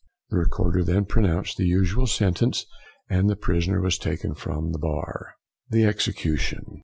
The Recorder then pronounced the usual sentence, and the prisoner was taken from the bar. THE EXECUTION.